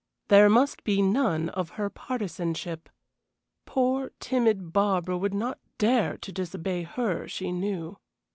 There must be none of her partisanship. Poor, timid Barbara would not dare to disobey her, she knew.